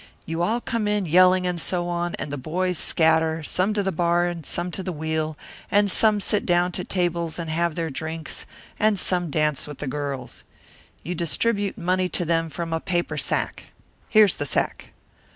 You all come in yelling and so on, and the boys scatter, some to the bar and some to the wheel, and some sit down to the tables to have their drinks and some dance with the girls. You distribute money to them from a paper sack. Here's the sack."